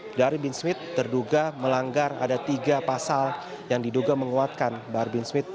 badari bin smith terduga melanggar ada tiga pasal yang diduga menguatkan bahar bin smith